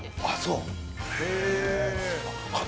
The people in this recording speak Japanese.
あっそう。